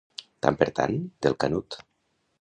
Tant per tant, del canut.